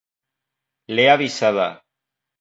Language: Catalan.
L'he avisada.